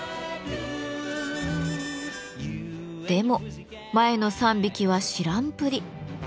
でも前の３匹は知らんぷり。